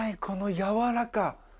このやわらか！